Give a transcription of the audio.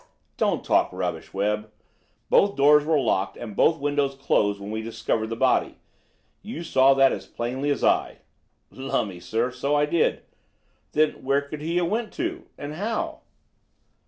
"Don't talk rubbish, Webb. Both doors were locked and both windows closed when we discovered the body. You saw that as plainly as I." "Lummy, sir, so I did. Then where could he a went to and how?"